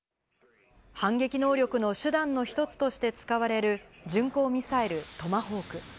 反撃能力の手段の１つとして使われる、巡航ミサイルトマホーク。